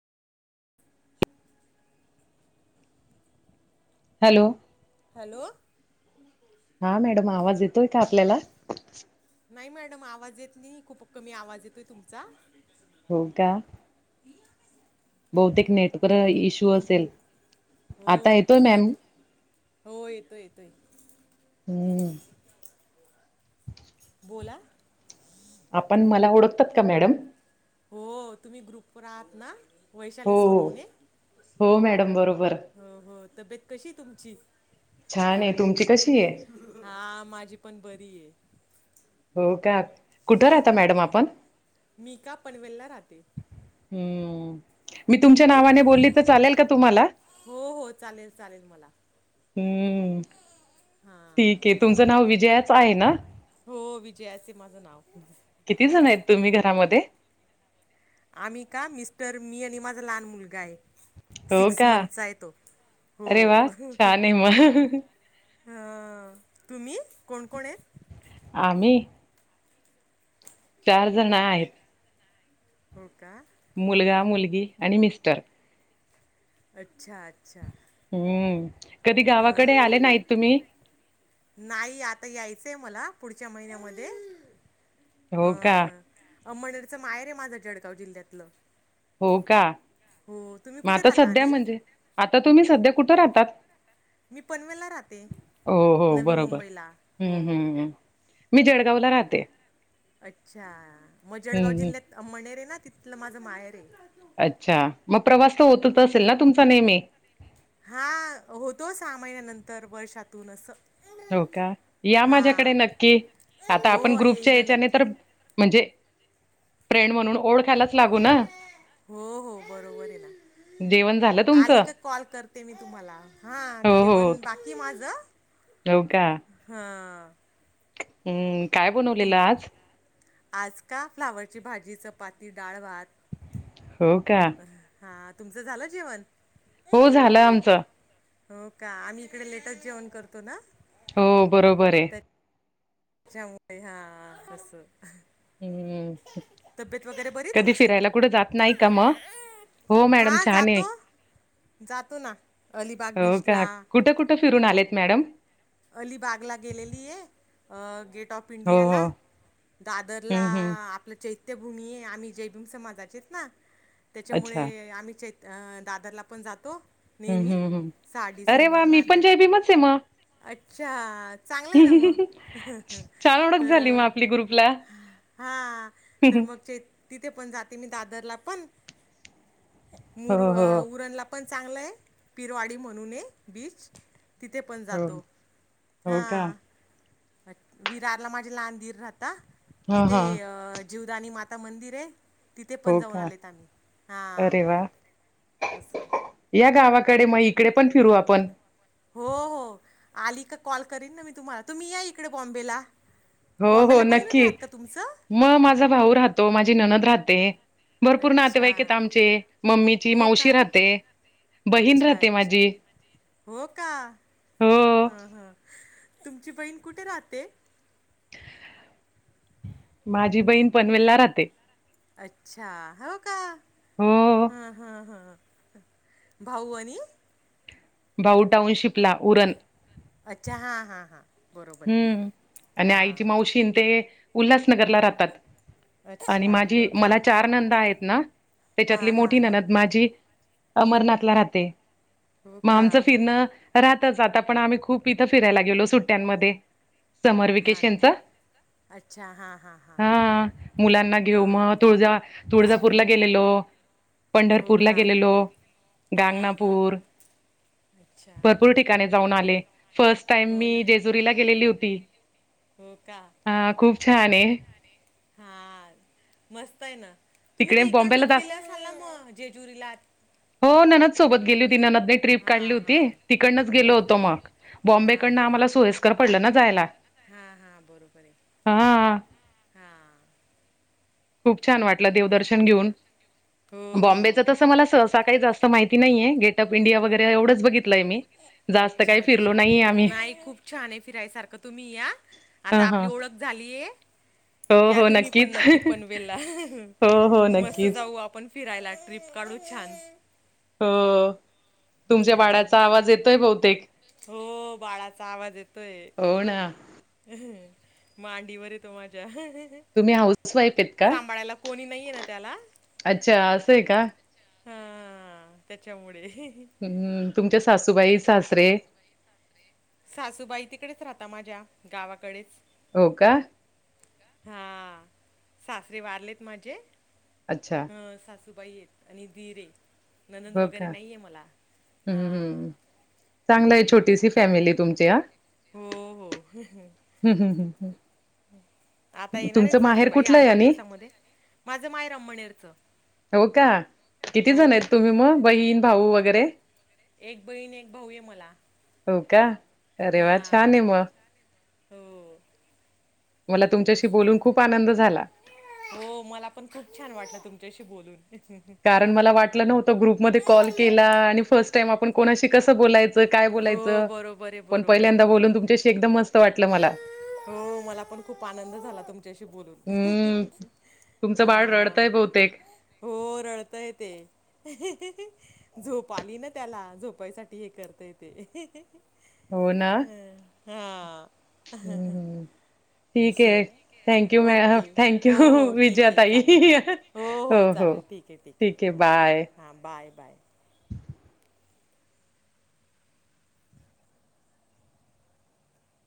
Hello hello हा madam आवाज येतोय का आपल्याला नाही मॅडम आवाज येत नाही खूप कमी आवाज येतोय तुमचा होो का बहुतेक नेटवर इश्यू असेल हो आता येतोय तसच मॅम हो येतो येतोय हम्म बोला आपण मला ओळखतात का मॅडम हो तुम्ही ग्रुपवर आहात ना वैशाली हो हो सोनवणे हो मॅडम बरोबर हो हो तब्येत कशी तुमची छान आहे तुमची कशी आहे हा माझी पण बरी आहे हो का कुठं हो राहता मॅडम आपण मी का पनवेलला राहते हम्म मी तुमच्या तुम्ही नावाने बोलली तर चालेल का तुम्हाला हो हो चालेल चालेल हम्म हा ठीक आहे तुमचं नाव विजयाच आहे ना हो विजया अस माझं नाव किती जण आहेत तुम्ही घरामध्ये आम्ही का मिस्टर मी आणि माझा लहान मुलगा आहे हो सिक्स का मंथचा आहे तो अरे वा हो छान आहे मग तुम्ही कोण कोण आहेत आम्ही चार जण आहेत हो का मुलगा मुलगी आणि मिस्टर. अच्छा अच्छा. हम्म कधी हा गावाकडे आले नाहीत तुम्ही? नाही आता यायचंय मला पुढच्या महिन्यामध्ये अ. हो का अमनेरचं मायर आहे माझं जळगाव जिल्ह्यातलं. हो का हो तुम्ही मग कुठे आता राहता सध्या आणि म्हणजे आता तुम्ही सध्या कुठं राहतात? मी पनवेलला राहते हो हो नवी बरोबर मुंबईला हो हम्म हम्म हम्म. मी जळगावला राहते. अच्छा मग जळगाव हम्म हम्म जिल्ह्यात अंबळनेर ना तिथलं माझं माहेर आहे. अच्छा मग प्रवास तर होतच असेल ना तुमचा नेहमी? हा होतो सहा महिन्यानंतर वर्षातून असं. हो का या माझ्याकडे हां नक्की आता आपण हो ग्रुपच्या येईन ना याच्याने तर. नक्की म्हणजे फ्रेंड म्हणून ओळखायलाच लागू ना. हो हो बरोबर आहे ना. जेवण झालं आली तुमचं का कॉल करते मी तुम्हाला हा जेवण बाकी माझ. होऊ का. हा हम्म काय बनवलेलं आज आज का फ्लावरची भाजी चपाती डाळवात हो का हा तुमचं झालं जेवण हो झालं आमचं हो का आम्ही इकडे लेटस जेवण करतो ना. हो बरोबर आहे. चमुई हा कस. हम्म कधी तुमची फिरायला कुठं जात नाही का मग? हो मॅडम हां छान आहे. जातो जातो ना अलिबाग हो बीचला. का कुठं कुठं फिरून आलेत मॅडम? अलिबागला गेलेली आहे गेट ऑफ. हो हो पिंडियाला दादरला हम्म हम्म आपलं चैत. चैत्यभूमी आहे आम्ही जयभीम समाजाचेच ना अच्छा त्याच्यामुळे आम्ही चै. दादरला पण जातो हम्म नेहमी सहा डिसेंबरला त्याला. मच म. अच्छा चांगला आहे ना मग छान ओळख तर. झाली मग आपली ग्रुपला. हा तर मग. तिथे पण जाते मी दादरला पण हो मुर हो उरणला. पण चांगलं आहे पिरवाडी म्हणून आहे बीच तिथे पण. हो जातो हो का. हां विरारला माझे लहान गीर राहता हा तिथे. हा जीवदानी माता मंदिर आहे तिथे पण हो जाऊन का आलेत आम्ही हां. अरे वा. अससं. या गावाकडे मग इकडे पण फिरू आपण. हो हो आली का कॉल करीन ना मी तुम्हाला तुम्ही या इकडे बॉम्बेला. हो हो बॉम्बेला कोणी नक्की. राहात का तुमचं? मग माझा भाऊ राहतो माझी ननद राहते. भरपूर अच्छा नातेवाईकेत आमचे मम्मीची हो मावशी का राहते बहीण अच्छा राहते अच्छा माझी. हो का हो हा हा तुमची बहीण कुठे राहते? माझी बहीण पनवेलला राहते. अच्छा हो का हो हा हा हा. भाऊ आणि भाऊ टाऊनशिपला उरण अच्छा हा हां हां बरोबर आहे हम्म आणि आईची हां मावशीन ते उल्हासनगरला राहतात आणि अच्छा माझी हो का मला चार नंद आहेत ना हा त्याच्यातली हा मोठी हा ननद माझी अमरनाथला राहते हो मग का आमचं फिरणं राहतच आता पण आम्ही खूप इथं फिरायला गेलो सुट्ट्यांमध्ये समर हा वकेशनचा हा मुलांना हा घेऊ मग तुळजा तुळजापूरला गेलेलो हो पंढरपूरला का गेलेलो हा हा गांगनापूर अच्छा भरपूर ठिकाणी जाऊन आले फर्स्ट टाईम हो मी ना जेजुरीला लेली होती हो का हा खूप छान आहे हा मस्त आहे ना तुम्ही तर तिकडे बॉम्बेला इकडनच जास्त केल्या झाला मग जय जुरीलात हो ना ना सोबत गेली होती ना ननंद तीन ट्रीप हा काढली हा होती, तिकडंच गेलो होतो, बरोबर मग आहे बॉम्बे हा कडन आम्हाला बरोबर सोयी कर पडलं ना जायला. हा हा बरोबर आहे हा हा. खूप छान वाटलं देवदर्शन घेऊन हो हो बॉम्बे. तसं मला सहसा जास्त काय माहिती नाहीये? गेट ऑफ इंडिया वगैरे एवढंच बघितलंय मी. जास्त अच्छा काही फिरलो अच्छा नाहीये आम्ही. नाही खूप छान आहे, फिरायसारखं तुम्ही या. ह आता हा आपली ओळख झालीए, हो या हो तुम्ही पण नक्कीच. नक्की पणवेल. हो हो मस्त नक्कीच. जाऊ आपण फिरायला ट्रिप काढू छान हो तुमच्या बाळाचा आवाज येतोय बहुतेक? हो बाळाचा आवाज येतोय. होना. मांडीवर येतो माझ्या तुम्ही हाऊस वाईफ आहेत का? सांभाळायला कोणी नाहीय आहे ना त्याला? अच्छा असं आहे का? हा आ त्याच्यामुळे हम्म तुमच्या सासूबाई, सासरे सासूबाई तिकडेच राहता माझ्या गावाकडेच हो का? हा सासरे वारलेत माजे अच्छा. सासूबाई आहेत आणि दिर ए ननंद हो वगैरे का? नाहीये मला हा. हम्म हम्म. चांगलं हाय छोटीशी फॅमिली तुमची आ हम् हो हो हम् हम् हम्. आता येणारएत सासूबाई कुठलं आठ आहे दहा आणि? दिवसामध्ये, माझं माहेर अमनेरच हो का किती जण आहेत तुम्ही मग बहीण भाऊ वगैरे? एक बहीण, एक भाऊ ए मला हो का अरे वा छान हा ए मग? हो. मला तुमच्याशी असं बोलून खूप आनंद झाला. हो मला पण खूप छान वाटलं तुमच्याशी बोलून कारण मला वाटलं नव्हतं, ग्रुपमध्ये कॉल केला आणि फर्स्ट टाइम आपण कोणाशी कसं बोलायचं? कस काय हो बोलायचं? बरोबर आहे पण बरोबर पहिल्यांदा आहे बोलून तुमच्याशी एकदम मस्त वाटलं मला. हो मला पण खूप आनंद झाला, तुमच्याशी बोलून हम्म तुमचं बाळ हां. रडतय बहुतेक हो रडतय ते झोप आली ना त्याला झोपायसाठी हे करतय ते हो ना ह हा. हम्म ठीक आहे, थँक यू असं मॅम ओके थँक हो यू हो ठीक आहे चालेल विजयातााई चालेल हो हो. चालेल ठीक आहे ठीक ए आहे ओके बाय. हां बाय बाय.